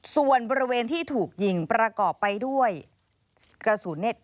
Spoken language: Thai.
ส่วนบริเวณที่ถูกหยิงรากอบไปด้วยกระสูณนิจ